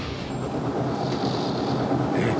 えっ？